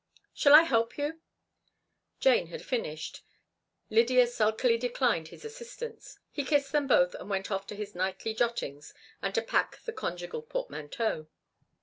Shall I help you?" Jane had finished. Lydia sulkily declined his assistance. He kissed them both, and went off to his nightly jottings and to pack the conjugal portmanteau.